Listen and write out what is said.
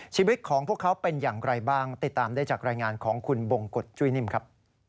ชีวิตของพวกเขาเป็นอย่างไรบ้างติดตามได้จากรายงานของคุณบงกฎจุ้ยนิ่มครับ